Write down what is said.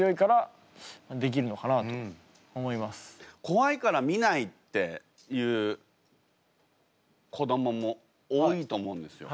「こわいから見ない」っていう子どもも多いと思うんですよ。